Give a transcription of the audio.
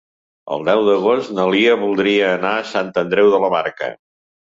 El deu d'agost na Lia voldria anar a Sant Andreu de la Barca.